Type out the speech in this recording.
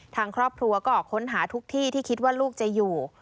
ทางครอบครัวก็ออกค้นหาทุกที่ที่คิดว่าลูกจะอยู่